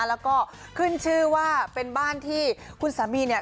แล้วก็ขึ้นชื่อว่าเป็นบ้านที่คุณสามีเนี่ย